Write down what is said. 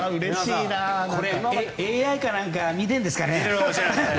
ＡＩか何か見てるんですかね。